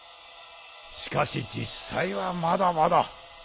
しかし実際はまだまだ。